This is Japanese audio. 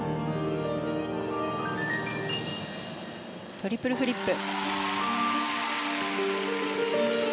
トリプルフリップ。